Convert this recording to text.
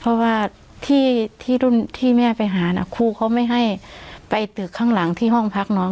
เพราะว่าที่รุ่นที่แม่ไปหานะครูเขาไม่ให้ไปตึกข้างหลังที่ห้องพักน้อง